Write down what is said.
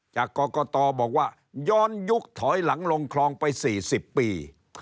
จากกรกตบอกว่าย้อนยุคถอยหลังลงคลองไป๔๐ปี